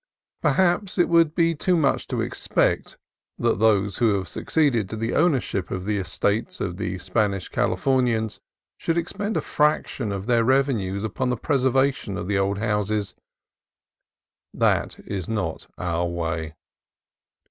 Perhaps it would be too much to expect that those who have succeeded to the ownership of the estates of the Spanish Cali fornians should expend a fraction of their revenues upon the preservation of the old houses : that is not our way.